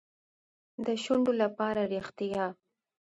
د شونډو لپاره ریښتیا.